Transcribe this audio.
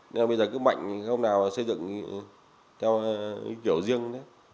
nên bây giờ cứ mạnh không nào xây dựng theo kiểu riêng